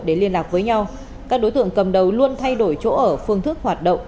để liên lạc với nhau các đối tượng cầm đầu luôn thay đổi chỗ ở phương thức hoạt động